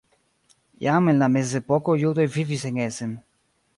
Jam en la mezepoko judoj vivis en Essen.